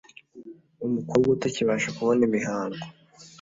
umukobwa utakibasha kubona Imihango